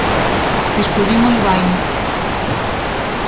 Escollín o "Levaino".